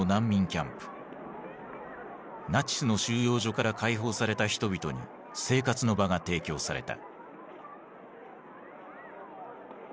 ナチスの収容所から解放された人々に生活の場が提供された。